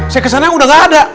saya ke sana udah nggak ada